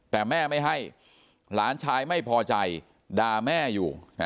แต่แม่ไม่ให้หลานชายไม่พอใจด่าแม่อยู่